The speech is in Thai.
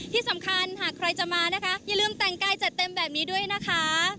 ที่สำคัญหากใครจะมานะคะอย่าลืมแต่งกายจัดเต็มแบบนี้ด้วยนะคะ